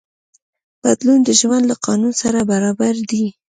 بدلون د ژوند له قانون سره برابر دی.